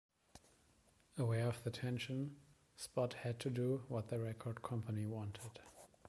Aware of the tension, Spot "had to do what the record company wanted".